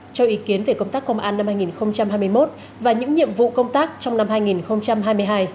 cho ý kiến về công tác công an năm hai nghìn hai mươi một và những nhiệm vụ công tác trong năm hai nghìn hai mươi hai